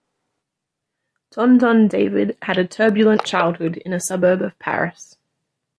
Tonton David had a turbulent childhood in a suburb of Paris.